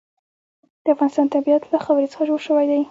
د افغانستان طبیعت له خاوره څخه جوړ شوی دی.